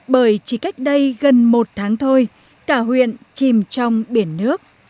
bởi chỉ cách đây gần một tháng thôi cả huyện chìm trong biển nước